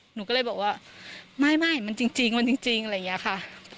หนูก็เลยบอกว่าไม่มันจริงมันจริงอะไรอย่างนี้ค่ะ